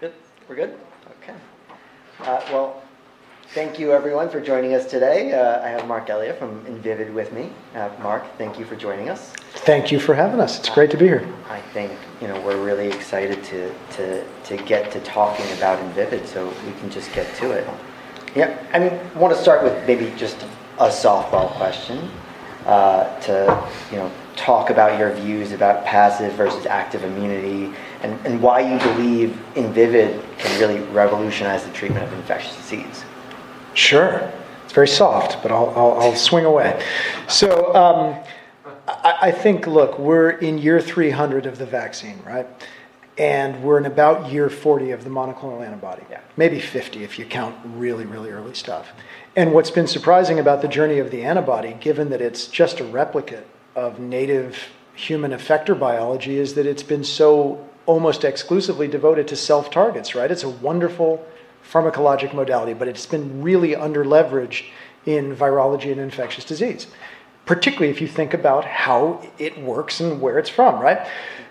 Good. We're good? Okay. Well, thank you everyone for joining us today. I have Marc Elia from Invivyd with me. Marc, thank you for joining us. Thank you for having us. It's great to be here. I think we're really excited to get to talking about Invivyd, so if we can just get to it. Yeah. I want to start with maybe just a softball question to talk about your views about passive versus active immunity, and why you believe Invivyd can really revolutionize the treatment of infectious disease. Sure. It's very soft, but I'll swing away. I think, look, we're in year 300 of the vaccine, right? We're in about year 40 of the monoclonal antibody gap. Yeah. Maybe 50 if you count really, really early stuff. What's been surprising about the journey of the antibody, given that it's just a replicate of native human effector biology, is that it's been so almost exclusively devoted to self-targets, right? It's a wonderful pharmacologic modality, but it's been really under-leveraged in virology and infectious disease. Particularly if you think about how it works and where it's from, right?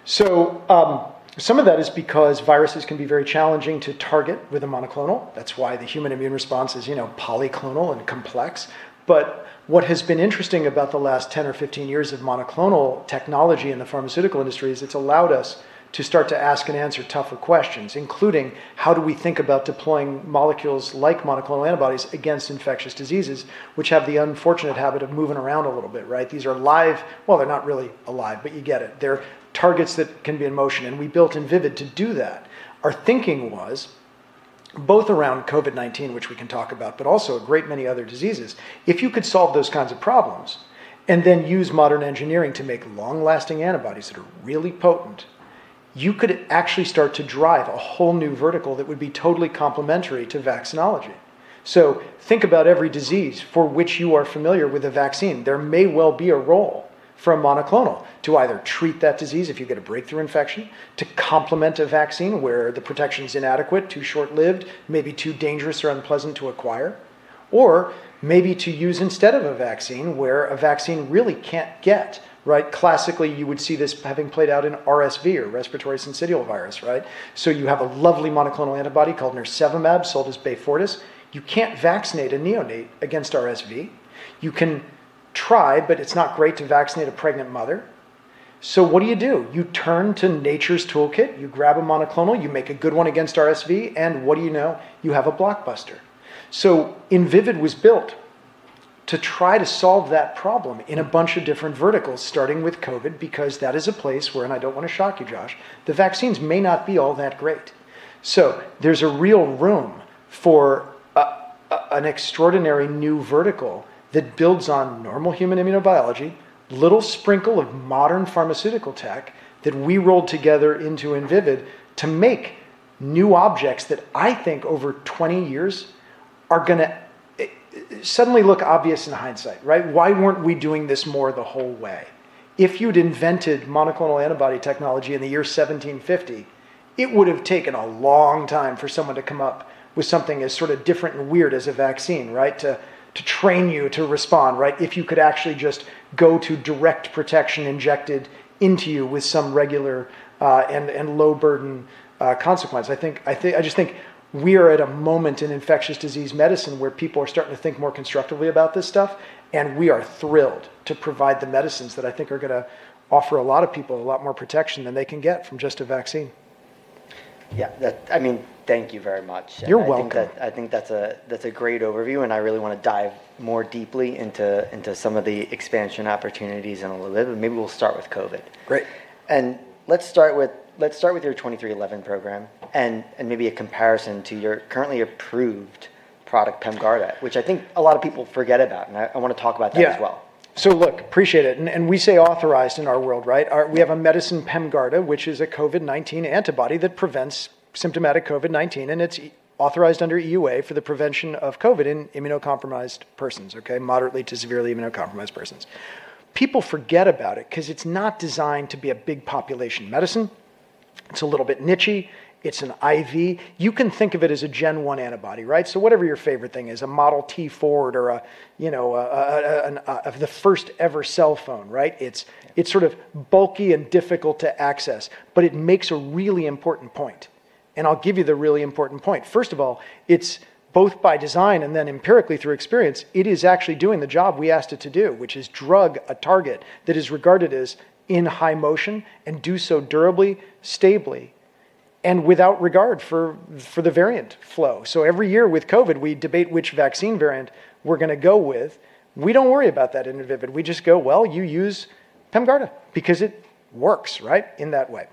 Some of that is because viruses can be very challenging to target with a monoclonal. That's why the human immune response is polyclonal and complex. What has been interesting about the last 10 or 15 years of monoclonal technology in the pharmaceutical industry is it's allowed us to start to ask and answer tougher questions, including how do we think about deploying molecules like monoclonal antibodies against infectious diseases which have the unfortunate habit of moving around a little bit, right? They're not really alive, but you get it. They're targets that can be in motion, and we built Invivyd to do that. Our thinking was both around COVID-19, which we can talk about, but also a great many other diseases. If you could solve those kinds of problems and then use modern engineering to make long-lasting antibodies that are really potent, you could actually start to drive a whole new vertical that would be totally complementary to vaccinology. Think about every disease for which you are familiar with a vaccine. There may well be a role for a monoclonal to either treat that disease if you get a breakthrough infection, to complement a vaccine where the protection's inadequate, too short-lived, maybe too dangerous or unpleasant to acquire, or maybe to use instead of a vaccine where a vaccine really can't get, right? Classically, you would see this having played out in RSV or respiratory syncytial virus, right? You have a lovely monoclonal antibody called nirsevimab, sold as Beyfortus. You can't vaccinate a neonate against RSV. You can try, but it's not great to vaccinate a pregnant mother. What do you do? You turn to nature's toolkit. You grab a monoclonal, you make a good one against RSV, and what do you know? You have a blockbuster. Invivyd was built to try to solve that problem in a bunch of different verticals, starting with COVID, because that is a place where, and I don't want to shock you, Josh, the vaccines may not be all that great. There's a real room for an extraordinary new vertical that builds on normal human immunobiology, little sprinkle of modern pharmaceutical tech that we rolled together into Invivyd to make new objects that I think over 20 years are going to suddenly look obvious in hindsight, right? Why weren't we doing this more the whole way? If you'd invented monoclonal antibody technology in the year 1750, it would've taken a long time for someone to come up with something as sort of different and weird as a vaccine, right? To train you to respond, right? If you could actually just go to direct protection injected into you with some regular and low burden consequence. I just think we are at a moment in infectious disease medicine where people are starting to think more constructively about this stuff, we are thrilled to provide the medicines that I think are going to offer a lot of people a lot more protection than they can get from just a vaccine. Yeah. Thank you very much. You're welcome. I think that's a great overview, and I really want to dive more deeply into some of the expansion opportunities in a little bit. Maybe we'll start with COVID. Great. Let's start with your 2311 program, and maybe a comparison to your currently approved product, PEMGARDA, which I think a lot of people forget about, and I want to talk about that as well. Yeah. Look, appreciate it. We say authorized in our world, right? We have a medicine, PEMGARDA, which is a COVID-19 antibody that prevents symptomatic COVID-19, and it's authorized under EUA for the prevention of COVID in immunocompromised persons, okay. Moderately to severely immunocompromised persons. People forget about it because it's not designed to be a big population medicine. It's a little bit nichey. It's an IV. You can think of it as a gen 1 antibody, right. Whatever your favorite thing is, a Model T Ford or the first ever cellphone, right. It's sort of bulky and difficult to access, but it makes a really important point, and I'll give you the really important point. It's both by design and then empirically through experience, it is actually doing the job we asked it to do, which is drug a target that is regarded as in high motion and do so durably, stably, and without regard for the variant flow. Every year with COVID, we debate which vaccine variant we're going to go with. We don't worry about that in Invivyd. We just go, "Well, you use PEMGARDA," because it works in that way.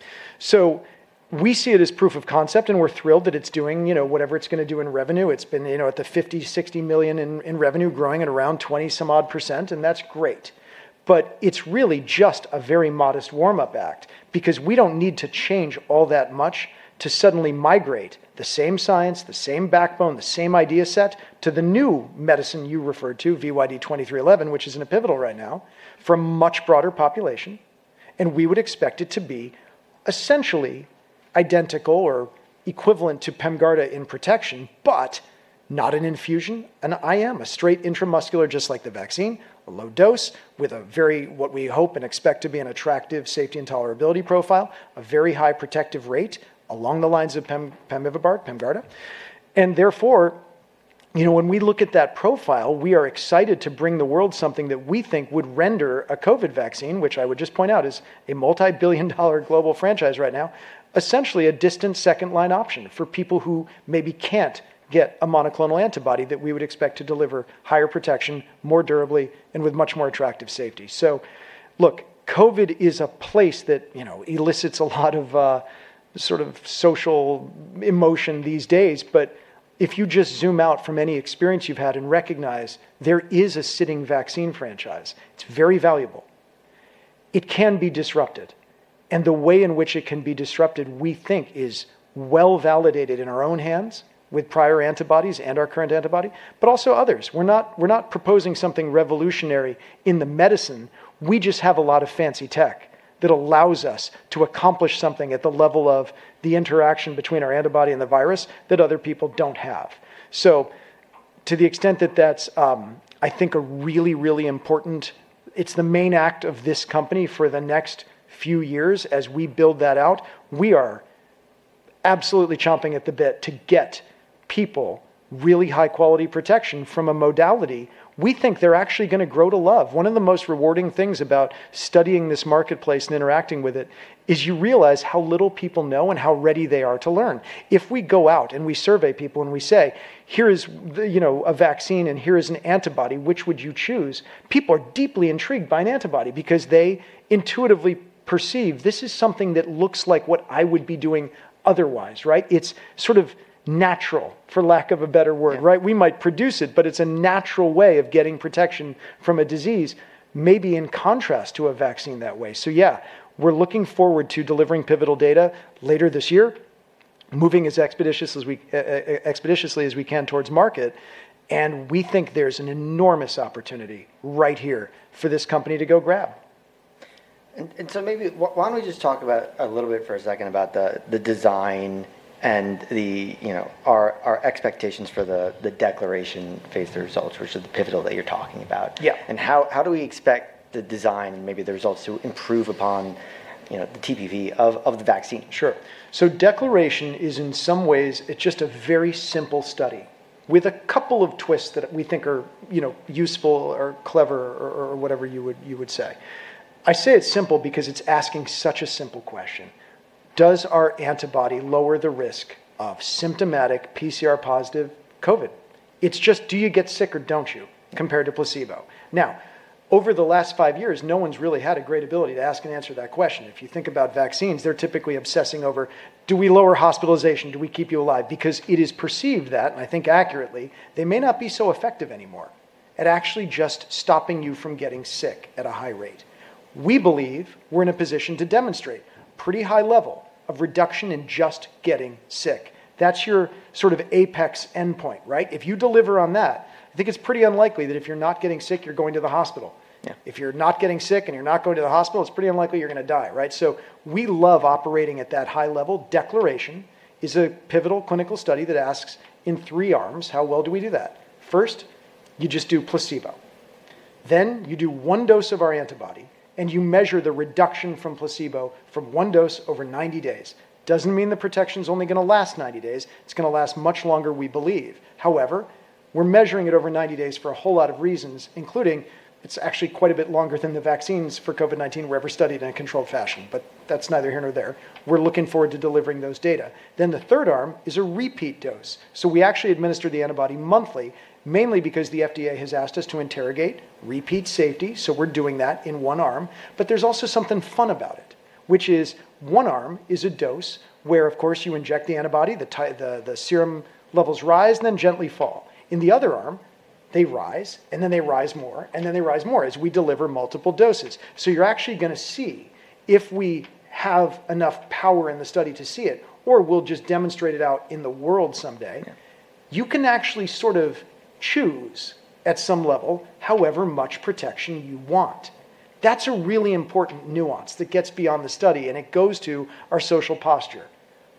We see it as proof of concept, and we're thrilled that it's doing whatever it's going to do in revenue. It's been at the $50 million-$60 million in revenue, growing at around 20-some odd%, and that's great. It's really just a very modest warm-up act because we don't need to change all that much to suddenly migrate the same science, the same backbone, the same idea set to the new medicine you referred to, VYD2311, which is in a pivotal right now, for a much broader population, and we would expect it to be essentially identical or equivalent to PEMGARDA in protection, but not an infusion, an IM, a straight intramuscular, just like the vaccine, a low dose with a very, what we hope and expect to be an attractive safety and tolerability profile, a very high protective rate along the lines of pemivibart, PEMGARDA. Therefore, when we look at that profile, we are excited to bring the world something that we think would render a COVID vaccine, which I would just point out is a multibillion-dollar global franchise right now, essentially a distant second-line option for people who maybe can't get a monoclonal antibody that we would expect to deliver higher protection, more durably, and with much more attractive safety. Look, COVID is a place that elicits a lot of social emotion these days. If you just zoom out from any experience you've had and recognize there is a sitting vaccine franchise, it's very valuable. It can be disrupted, and the way in which it can be disrupted, we think is well-validated in our own hands with prior antibodies and our current antibody, but also others. We're not proposing something revolutionary in the medicine. We just have a lot of fancy tech that allows us to accomplish something at the level of the interaction between our antibody and the virus that other people don't have. To the extent that that's, I think, a really, really important. It's the main act of this company for the next few years as we build that out. We are absolutely chomping at the bit to get people really high-quality protection from a modality we think they're actually going to grow to love. One of the most rewarding things about studying this marketplace and interacting with it is you realize how little people know and how ready they are to learn. If we go out and we survey people and we say, "Here is a vaccine, and here is an antibody, which would you choose?" People are deeply intrigued by an antibody because they intuitively perceive this is something that looks like what I would be doing otherwise. It's sort of natural, for lack of a better word. We might produce it's a natural way of getting protection from a disease, maybe in contrast to a vaccine that way. Yeah, we're looking forward to delivering pivotal data later this year, moving as expeditiously as we can towards market, and we think there's an enormous opportunity right here for this company to go grab. Maybe why don't we just talk about a little bit for a second about the design and our expectations for the DECLARATION phase III results, which is the pivotal that you're talking about. Yeah. How do we expect the design and maybe the results to improve upon the TPP of the vaccine? Sure. DECLARATION is in some ways, it's just a very simple study with a couple of twists that we think are useful or clever or whatever you would say. I say it's simple because it's asking such a simple question. Does our antibody lower the risk of symptomatic PCR positive COVID-19? It's just do you get sick or don't you compared to placebo? Now, over the last five years, no one's really had a great ability to ask and answer that question. If you think about vaccines, they're typically obsessing over, do we lower hospitalization? Do we keep you alive? Because it is perceived that, and I think accurately, they may not be so effective anymore at actually just stopping you from getting sick at a high rate. We believe we're in a position to demonstrate pretty high level of reduction in just getting sick. That's your apex endpoint. If you deliver on that, I think it's pretty unlikely that if you're not getting sick, you're going to the hospital. If you're not getting sick and you're not going to the hospital, it's pretty unlikely you're going to die. We love operating at that high level. DECLARATION is a pivotal clinical study that asks in three arms, how well do we do that? First, you just do placebo. You do one dose of our antibody, and you measure the reduction from placebo from one dose over 90 days. Doesn't mean the protection's only going to last 90 days. It's going to last much longer, we believe. However, we're measuring it over 90 days for a whole lot of reasons, including it's actually quite a bit longer than the vaccines for COVID-19 were ever studied in a controlled fashion, that's neither here nor there. We're looking forward to delivering those data. The third arm is a repeat dose. We actually administer the antibody monthly, mainly because the FDA has asked us to interrogate, repeat safety. We're doing that in one arm, but there's also something fun about it, which is one arm is a dose where, of course, you inject the antibody, the serum levels rise, then gently fall. In the other arm, they rise, and then they rise more, and then they rise more as we deliver multiple doses. You're actually going to see if we have enough power in the study to see it, or we'll just demonstrate it out in the world someday. You can actually sort of choose at some level however much protection you want. That's a really important nuance that gets beyond the study, and it goes to our social posture.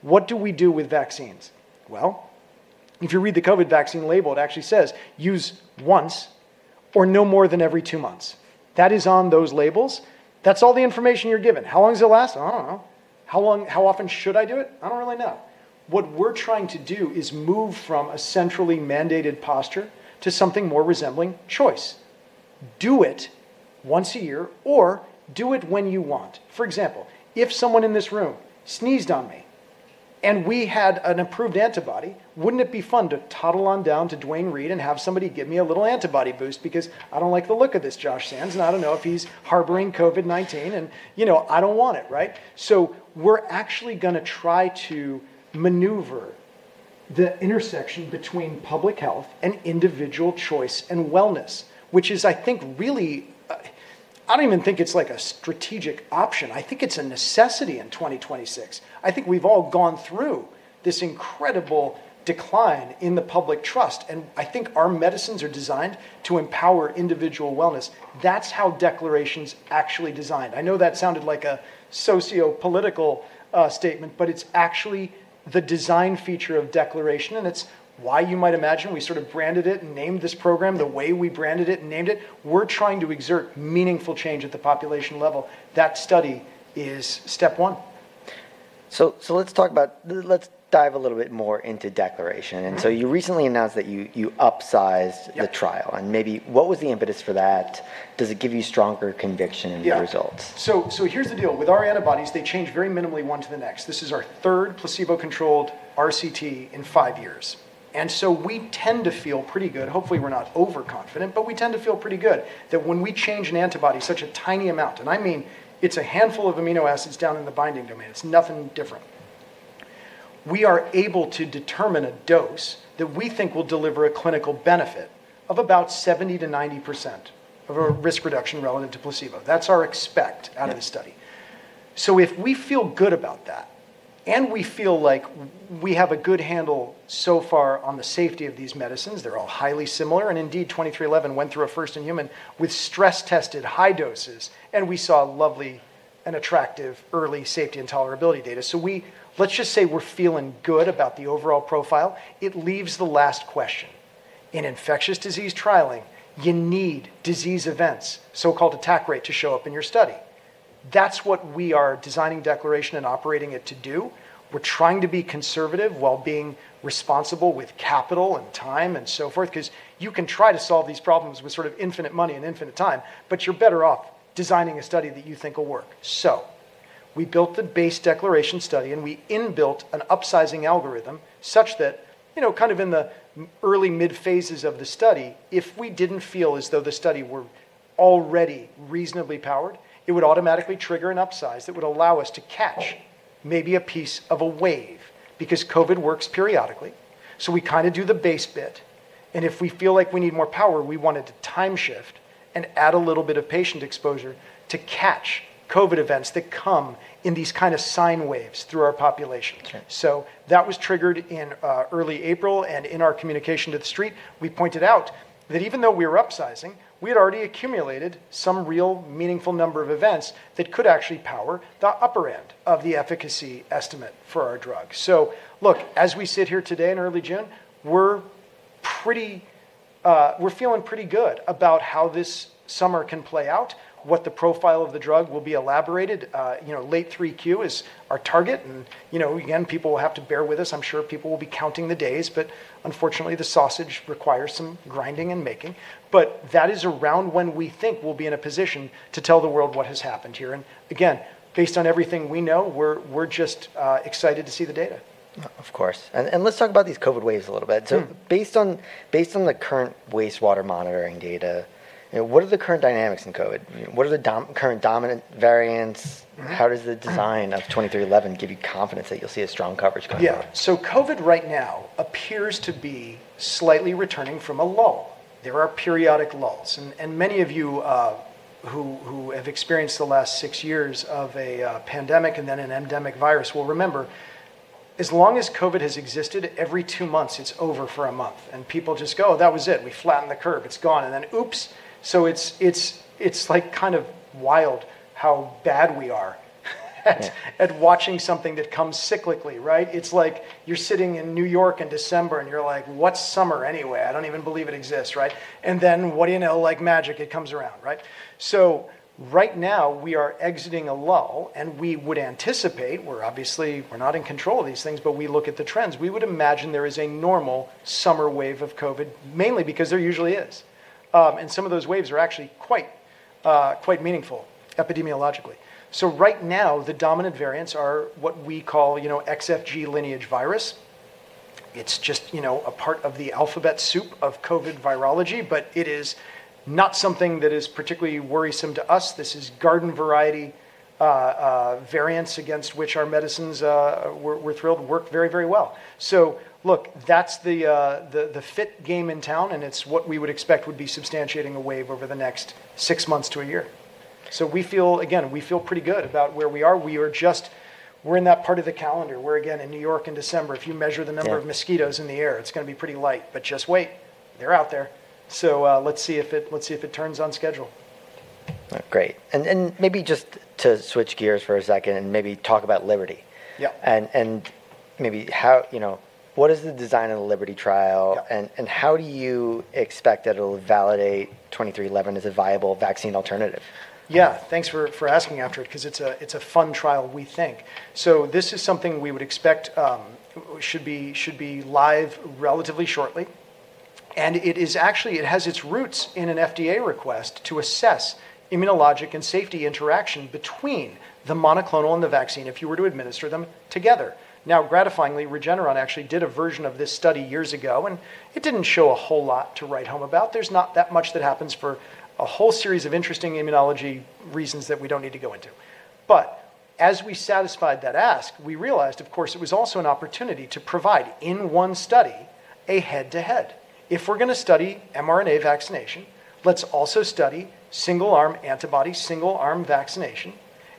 What do we do with vaccines? Well, if you read the COVID vaccine label, it actually says, "Use once or no more than every two months." That is on those labels. That's all the information you're given. How long does it last? I don't know. How often should I do it? I don't really know. What we're trying to do is move from a centrally mandated posture to something more resembling choice. Do it once a year or do it when you want. For example, if someone in this room sneezed on me and we had an approved antibody, wouldn't it be fun to toddle on down to Duane Reade and have somebody give me a little antibody boost because I don't like the look of this Josh Ofman, and I don't know if he's harboring COVID-19, and I don't want it. We're actually going to try to maneuver the intersection between public health and individual choice and wellness, which is, I think, really. I don't even think it's a strategic option. I think it's a necessity in 2026. I think we've all gone through this incredible decline in the public trust, and I think our medicines are designed to empower individual wellness. That's how DECLARATION's actually designed. I know that sounded like a sociopolitical statement, but it's actually the design feature of DECLARATION, and it's why you might imagine we branded it and named this program the way we branded it and named it. We're trying to exert meaningful change at the population level. That study is step one. Let's dive a little bit more into DECLARATION. You recently announced that you upsized the trial, and maybe what was the impetus for that? Does it give you stronger conviction in the results? Yeah. Here's the deal. With our antibodies, they change very minimally one to the next. This is our third placebo-controlled RCT in five years. We tend to feel pretty good. Hopefully we're not overconfident, but we tend to feel pretty good that when we change an antibody such a tiny amount, and I mean, it's a handful of amino acids down in the binding domain. It's nothing different. We are able to determine a dose that we think will deliver a clinical benefit of about 70%-90% of a risk reduction relevant to placebo. That's our expect out of the study. If we feel good about that, and we feel like we have a good handle so far on the safety of these medicines, they're all highly similar, and indeed 2311 went through a first-in-human with stress-tested high doses, and we saw lovely and attractive early safety and tolerability data. Let's just say we're feeling good about the overall profile. It leaves the last question. In infectious disease trialing, you need disease events, so-called attack rate, to show up in your study. That's what we are designing DECLARATION and operating it to do. We're trying to be conservative while being responsible with capital and time and so forth because you can try to solve these problems with infinite money and infinite time, but you're better off designing a study that you think will work. We built the base DECLARATION study, and we inbuilt an upsizing algorithm such that, kind of in the early, mid phases of the study, if we didn't feel as though the study were already reasonably powered, it would automatically trigger an upsize that would allow us to catch maybe a piece of a wave because COVID works periodically. We do the base bit, and if we feel like we need more power, we wanted to time shift and add a little bit of patient exposure to catch COVID events that come in these kind of sine waves through our population. Okay. That was triggered in early April, and in our communication to the street, we pointed out that even though we were upsizing, we had already accumulated some real meaningful number of events that could actually power the upper end of the efficacy estimate for our drug. As we sit here today in early June, we're feeling pretty good about how this summer can play out, what the profile of the drug will be elaborated. Late 3Q is our target, again, people will have to bear with us. I'm sure people will be counting the days, but unfortunately, the sausage requires some grinding and making. That is around when we think we'll be in a position to tell the world what has happened here. Again, based on everything we know, we're just excited to see the data. Of course. Let's talk about these COVID waves a little bit. Based on the current wastewater monitoring data, what are the current dynamics in COVID? What are the current dominant variants? How does the design of 2311 give you confidence that you'll see a strong coverage going forward? Yeah. COVID right now appears to be slightly returning from a lull. There are periodic lulls, and many of you who have experienced the last six years of a pandemic and then an endemic virus will remember, as long as COVID has existed, every two months, it's over for a month. people just go, "That was it. We flattened the curve. It's gone." then oops. it's kind of wild how bad we are at watching something that comes cyclically. It's like you're sitting in New York in December, and you're like, "What's summer anyway?" I don't even believe it exists. What do you know? Like magic, it comes around. Right now, we are exiting a lull, and we would anticipate, we're not in control of these things, but we look at the trends. We would imagine there is a normal summer wave of COVID, mainly because there usually is. Some of those waves are actually quite meaningful epidemiologically. Right now, the dominant variants are what we call XFG lineage virus. It's just a part of the alphabet soup of COVID virology, but it is not something that is particularly worrisome to us. This is garden variety variants against which our medicines, we're thrilled, work very well. Look, that's the fit game in town, and it's what we would expect would be substantiating a wave over the next six months to a year. Again, we feel pretty good about where we are. We're in that part of the calendar where, again, in New York in December, if you measure the number of mosquitoes in the air, it's going to be pretty light. just wait. They're out there. let's see if it turns on schedule. Great. Maybe just to switch gears for a second and maybe talk about LIBERTY, maybe what is the design of the LIBERTY trial how do you expect that it'll validate 2311 as a viable vaccine alternative? Yeah. Thanks for asking after it because it's a fun trial, we think. This is something we would expect should be live relatively shortly. It has its roots in an FDA request to assess immunologic and safety interaction between the monoclonal and the vaccine if you were to administer them together. Now, gratifyingly, Regeneron actually did a version of this study years ago, and it didn't show a whole lot to write home about. There's not that much that happens for a whole series of interesting immunology reasons that we don't need to go into. As we satisfied that ask, we realized, of course, it was also an opportunity to provide, in one study. A head-to-head. If we're going to study mRNA vaccination, let's also study single-arm antibody, single-arm vaccination,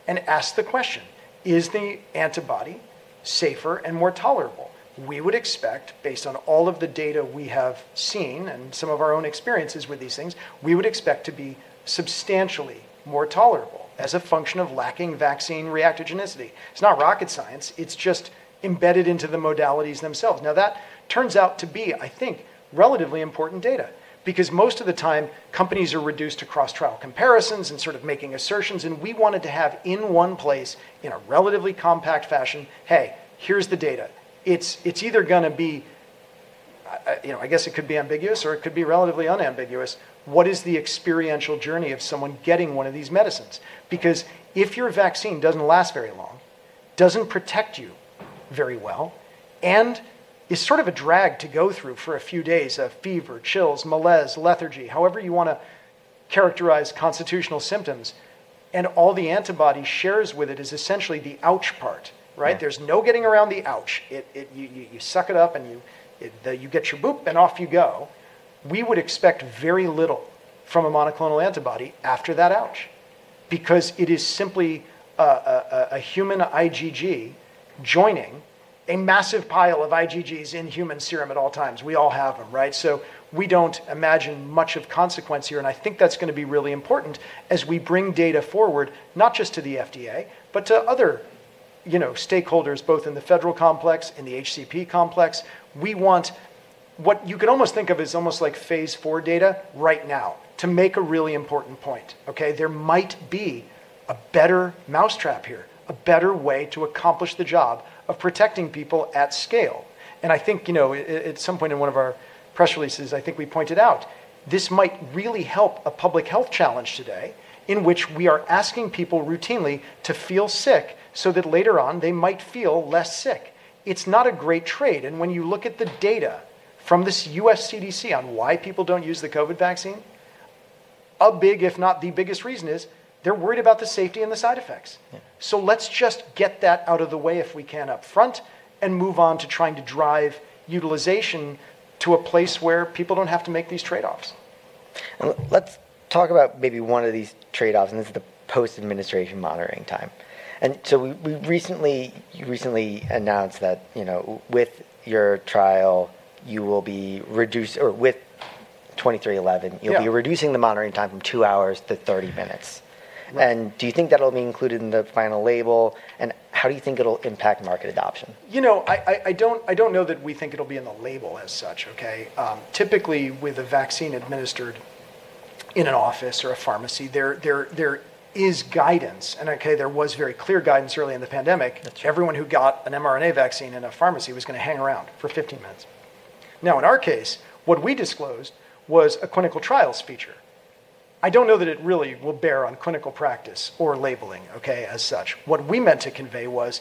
and ask the question, "Is the antibody safer and more tolerable?" We would expect, based on all of the data we have seen and some of our own experiences with these things, we would expect to be substantially more tolerable as a function of lacking vaccine reactogenicity. It's not rocket science. It's just embedded into the modalities themselves. Now, that turns out to be, I think, relatively important data, because most of the time, companies are reduced to cross-trial comparisons and sort of making assertions, and we wanted to have in one place, in a relatively compact fashion, "Hey, here's the data." It's either going to be, I guess it could be ambiguous or it could be relatively unambiguous. What is the experiential journey of someone getting one of these medicines? If your vaccine doesn't last very long, doesn't protect you very well, and is sort of a drag to go through for a few days of fever, chills, malaise, lethargy, however you want to characterize constitutional symptoms, and all the antibody shares with it is essentially the ouch part. Right? Yeah. There's no getting around the ouch. You suck it up and you get your boop and off you go. We would expect very little from a monoclonal antibody after that ouch, because it is simply a human IgG joining a massive pile of IgGs in human serum at all times. We all have them, right? We don't imagine much of consequence here, and I think that's going to be really important as we bring data forward, not just to the FDA, but to other stakeholders, both in the federal complex, in the HCP complex. We want what you could almost think of as almost like phase IV data right now to make a really important point. Okay? There might be a better mousetrap here, a better way to accomplish the job of protecting people at scale. I think at some point in one of our press releases, I think we pointed out this might really help a public health challenge today in which we are asking people routinely to feel sick so that later on they might feel less sick. It's not a great trade. When you look at the data from this U.S. CDC on why people don't use the COVID vaccine, a big, if not the biggest reason is they're worried about the safety and the side effects. Yeah. Let's just get that out of the way if we can upfront and move on to trying to drive utilization to a place where people don't have to make these trade-offs. Let's talk about maybe one of these trade-offs, and this is the post-administration monitoring time. You recently announced that with your trial, you will be reduced, or with 2311 you'll be reducing the monitoring time from two hours to 30 minutes. Right. Do you think that'll be included in the final label? How do you think it'll impact market adoption? I don't know that we think it'll be in the label as such. Okay? Typically, with a vaccine administered in an office or a pharmacy, there is guidance, and okay, there was very clear guidance early in the pandemic. Everyone who got an mRNA vaccine in a pharmacy was going to hang around for 15 minutes. Now, in our case, what we disclosed was a clinical trials feature. I don't know that it really will bear on clinical practice or labeling, okay, as such. What we meant to convey was,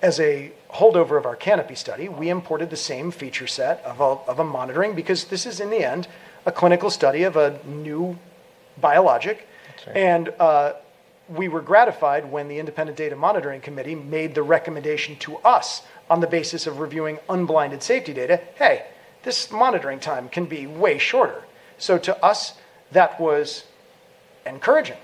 as a holdover of our CANOPY study, we imported the same feature set of a monitoring, because this is, in the end, a clinical study of a new biologic. That's right. We were gratified when the independent data monitoring committee made the recommendation to us on the basis of reviewing unblinded safety data, "Hey, this monitoring time can be way shorter." To us, that was encouraging,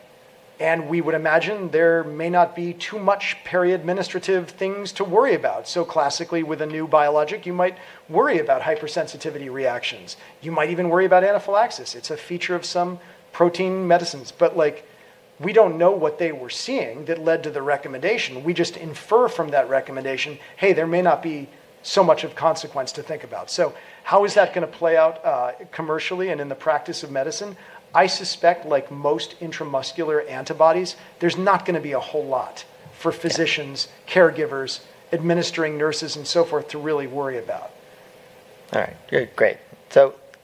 and we would imagine there may not be too much peri-administrative things to worry about. Classically, with a new biologic, you might worry about hypersensitivity reactions. You might even worry about anaphylaxis. It's a feature of some protein medicines, but we don't know what they were seeing that led to the recommendation. We just infer from that recommendation, "Hey, there may not be so much of consequence to think about." How is that going to play out commercially and in the practice of medicine? I suspect like most intramuscular antibodies, there's not going to be a whole lot for physicians caregivers, administering nurses, and so forth to really worry about. All right. Great.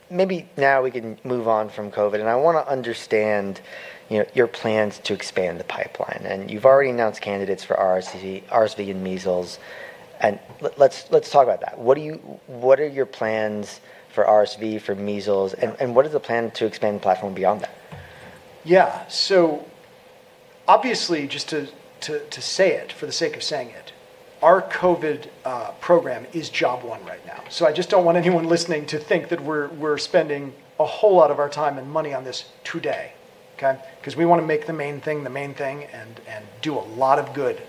Maybe now we can move on from COVID, and I want to understand your plans to expand the pipeline. You've already announced candidates for RSV and measles, and let's talk about that. What are your plans for RSV, for measles, and what is the plan to expand the platform beyond that? Yeah. Obviously, just to say it for the sake of saying it, our COVID program is job one right now. I just don't want anyone listening to think that we're spending a whole lot of our time and money on this today. Okay? Because we want to make the main thing, the main thing and do a lot of good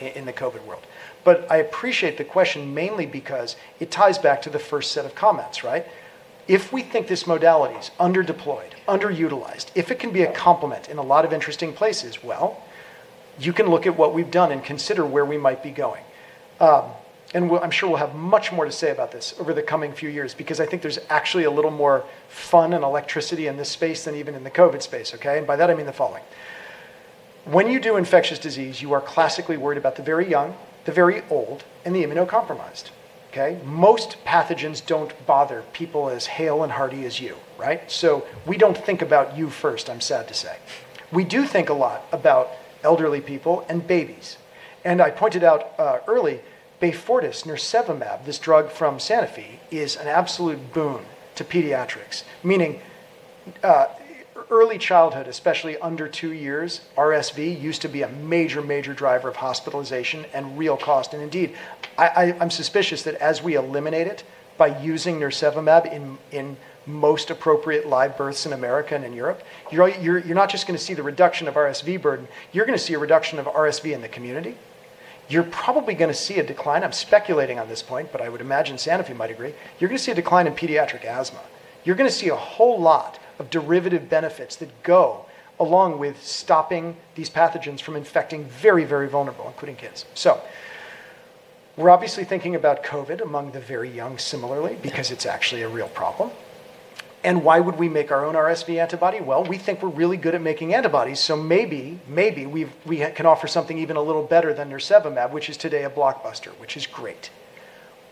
in the COVID world. I appreciate the question mainly because it ties back to the first set of comments, right? If we think this modality is under-deployed, under-utilized, if it can be a complement in a lot of interesting places, well, you can look at what we've done and consider where we might be going. I'm sure we'll have much more to say about this over the coming few years, because I think there's actually a little more fun and electricity in this space than even in the COVID space. Okay? By that, I mean the following. When you do infectious disease, you are classically worried about the very young, the very old, and the immunocompromised. Okay? Most pathogens don't bother people as hale and hearty as you, right? We don't think about you first, I'm sad to say. We do think a lot about elderly people and babies. I pointed out early, Beyfortus, nirsevimab, this drug from Sanofi, is an absolute boon to pediatrics, meaning early childhood, especially under two years, RSV used to be a major driver of hospitalization and real cost. Indeed, I'm suspicious that as we eliminate it by using nirsevimab in most appropriate live births in America and in Europe, you're not just going to see the reduction of RSV burden, you're going to see a reduction of RSV in the community. You're probably going to see a decline, I'm speculating on this point, but I would imagine Sanofi might agree, you're going to see a decline in pediatric asthma. You're going to see a whole lot of derivative benefits that go along with stopping these pathogens from infecting very, very vulnerable, including kids. We're obviously thinking about COVID among the very young similarly because it's actually a real problem. Why would we make our own RSV antibody? Well, we think we're really good at making antibodies, so maybe we can offer something even a little better than nirsevimab, which is today a blockbuster, which is great.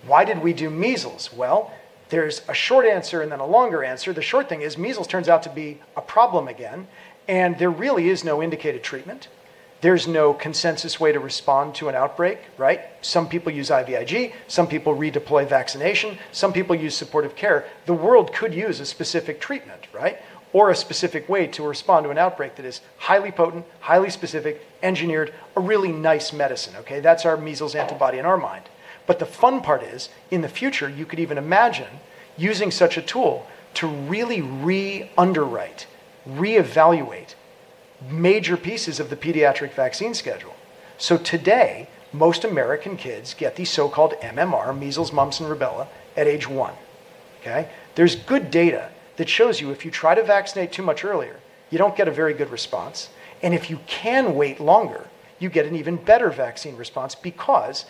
Why did we do measles? Well, there's a short answer and then a longer answer. The short thing is measles turns out to be a problem again, and there really is no indicated treatment. There's no consensus way to respond to an outbreak. Some people use IVIG, some people redeploy vaccination, some people use supportive care. The world could use a specific treatment. A specific way to respond to an outbreak that is highly potent, highly specific, engineered, a really nice medicine. That's our measles antibody in our mind. The fun part is, in the future, you could even imagine using such a tool to really re-underwrite, reevaluate major pieces of the pediatric vaccine schedule. So today, most American kids get the so-called MMR, measles, mumps, and rubella at age one. There's good data that shows you if you try to vaccinate too much earlier, you don't get a very good response, and if you can wait longer, you get an even better vaccine response because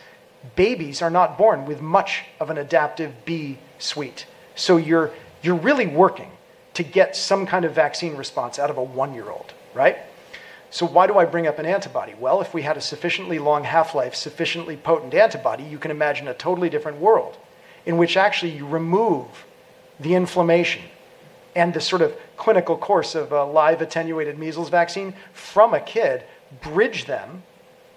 babies are not born with much of an adaptive B suite. You're really working to get some kind of vaccine response out of a one-year-old. Why do I bring up an antibody? Well, if we had a sufficiently long half-life, sufficiently potent antibody, you can imagine a totally different world in which actually you remove the inflammation and the sort of clinical course of a live attenuated measles vaccine from a kid, bridge them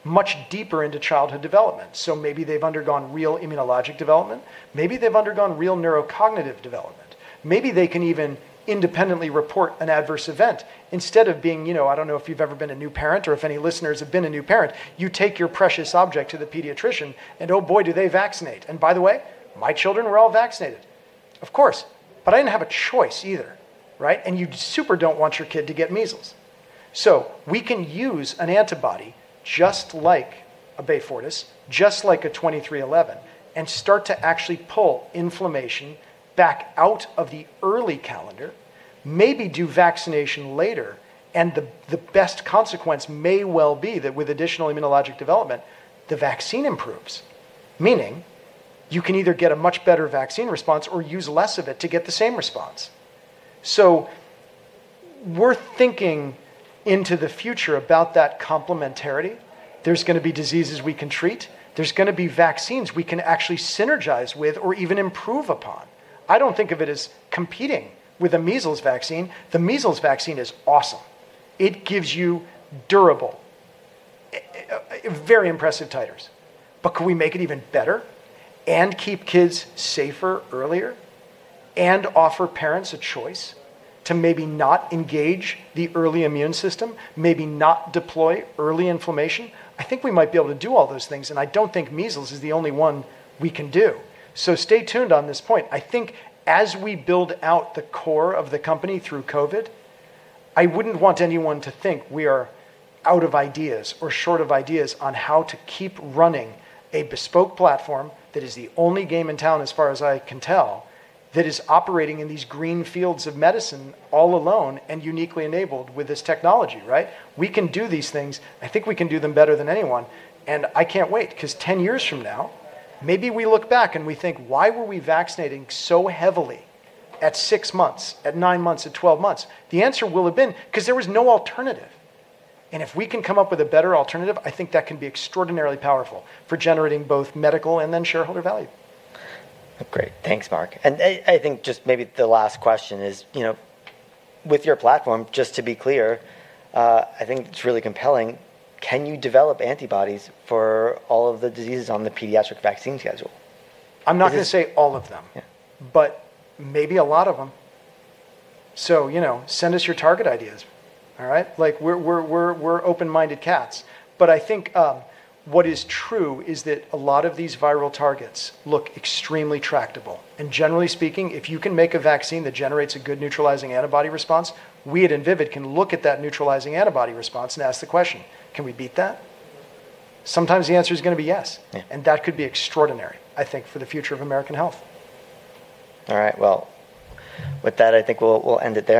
much deeper into childhood development. Maybe they've undergone real immunologic development. Maybe they've undergone real neurocognitive development. Maybe they can even independently report an adverse event instead of being, I don't know if you've ever been a new parent or if any listeners have been a new parent, you take your precious object to the pediatrician and oh boy, do they vaccinate. By the way, my children were all vaccinated. Of course. I didn't have a choice either. You super don't want your kid to get measles. We can use an antibody just like a Beyfortus, just like a 2311, and start to actually pull inflammation back out of the early calendar, maybe do vaccination later, and the best consequence may well be that with additional immunologic development, the vaccine improves. Meaning you can either get a much better vaccine response or use less of it to get the same response. We're thinking into the future about that complementarity. There's going to be diseases we can treat. There's going to be vaccines we can actually synergize with or even improve upon. I don't think of it as competing with a measles vaccine. The measles vaccine is awesome. It gives you durable, very impressive titers. Could we make it even better and keep kids safer earlier and offer parents a choice to maybe not engage the early immune system, maybe not deploy early inflammation? I think we might be able to do all those things, and I don't think measles is the only one we can do. Stay tuned on this point. I think as we build out the core of the company through COVID, I wouldn't want anyone to think we are out of ideas or short of ideas on how to keep running a bespoke platform that is the only game in town as far as I can tell, that is operating in these green fields of medicine all alone and uniquely enabled with this technology. We can do these things. I think we can do them better than anyone, and I can't wait because 10 years from now, maybe we look back and we think, "Why were we vaccinating so heavily at six months, at nine months, at 12 months?" The answer will have been because there was no alternative, and if we can come up with a better alternative, I think that can be extraordinarily powerful for generating both medical and then shareholder value. Great. Thanks, Marc. I think just maybe the last question is, with your platform, just to be clear, I think it's really compelling. Can you develop antibodies for all of the diseases on the pediatric vaccine schedule? I'm not going to say all of them. Yeah. Maybe a lot of them. Send us your target ideas. All right. We're open-minded cats. I think what is true is that a lot of these viral targets look extremely tractable. Generally speaking, if you can make a vaccine that generates a good neutralizing antibody response, we at Invivyd can look at that neutralizing antibody response and ask the question, can we beat that? Sometimes the answer is going to be yes. Yeah. That could be extraordinary, I think, for the future of American health. All right. Well, with that, I think we'll end it there